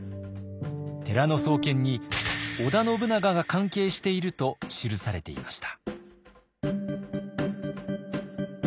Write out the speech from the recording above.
寺の創建に織田信長が関係していると記されていました。